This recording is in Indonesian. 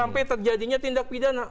sampai terjadinya tindak pidana